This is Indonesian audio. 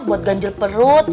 buat ganjil perut